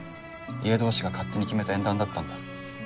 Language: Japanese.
家同士が勝手に決めた縁談だったんだ。